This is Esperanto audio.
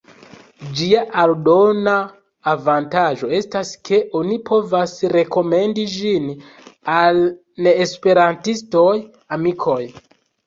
Ĝia aldona avantaĝo estas, ke oni povas rekomendi ĝin al neesperantistaj amikoj.